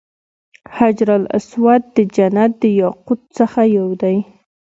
حجر اسود د جنت د یاقوتو څخه یو دی.